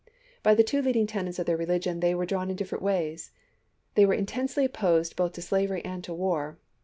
By the two leading tenets of their religion they were drawn in different ways ; they were intensely opposed both to slavery and to war.